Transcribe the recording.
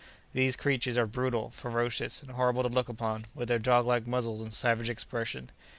These creatures are brutal, ferocious, and horrible to look upon, with their dog like muzzles and savage expression.